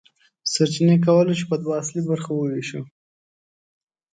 سرچینې کولی شو په دوه اصلي برخو وویشو.